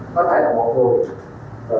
có thể là một người